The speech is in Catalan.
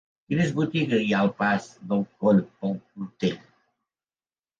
Quines botigues hi ha al pas del Coll del Portell?